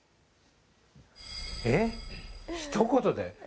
えっひと言で？